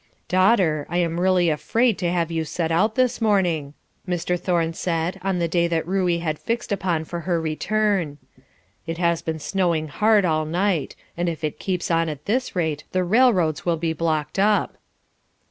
"Daughter, I am really afraid to have you set out this morning," Mr. Thorne said on the day that Ruey had fixed upon for her return. "It has been snowing hard all night, and if it keeps on at this rate the railroads will be blocked up."